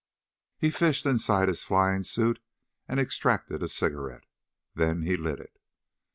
He fished inside his flying suit and extracted a cigarette. Then he lit it.